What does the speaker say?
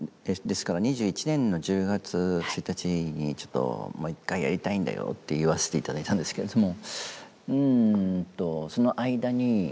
ですから２１年の１０月１日にちょっと「もう一回やりたいんだよ」って言わせて頂いたんですけれども。